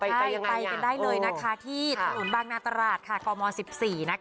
ไปกันได้เลยนะคะที่ถนนบางนาตราชคศสิบสี่